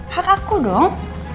hak aku dong